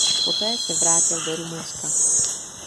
Poté se vrátil do Rumunska.